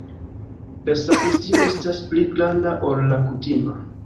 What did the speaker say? La sakristio estas pli granda, ol la kutima.